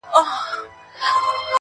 جوار او وربشې سره کرل کېږي.